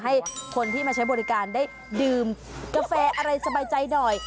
ให้คนที่มาใช้บริการได้ดื่มกาแฟอะไรสบายใจหน่อย